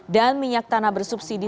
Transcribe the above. dan minyak tanah bersubsidi